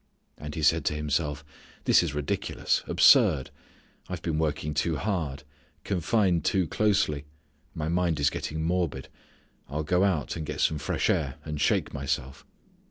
And he said to himself: "this is ridiculous, absurd. I've been working too hard; confined too closely; my mind is getting morbid. I'll go out, and get some fresh air, and shake myself."